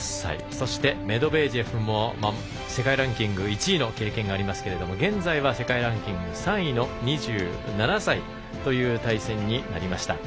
そして、メドベージェフも世界ランキング１位の経験がありますけど現在は世界ランキング３位の２７歳という対戦になりました。